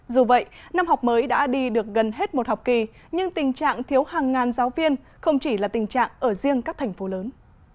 dù vậy năm học mới đã đi được gần hết một học kỳ nhưng tình trạng thiếu hàng ngàn giáo viên không chỉ là tình trạng ở riêng các thành phố lớn